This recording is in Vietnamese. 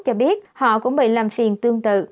cho biết họ cũng bị làm phiền tương tự